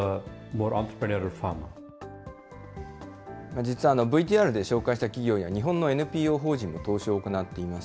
実はＶＴＲで紹介した企業には、日本のＮＰＯ法人も投資を行っています。